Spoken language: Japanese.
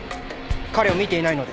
彼を見ていないので。